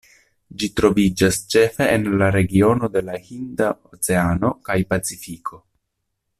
Ĝi troviĝas ĉefe en la regiono de la Hinda oceano kaj Pacifiko.